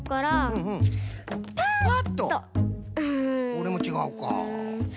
これもちがうか。